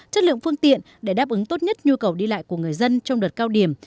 chất lượng phương tiện để đáp ứng tốt nhất nhu cầu đi lại của người dân trong đợt cao điểm